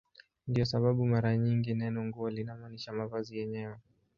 Ndiyo sababu mara nyingi neno "nguo" linamaanisha mavazi yenyewe.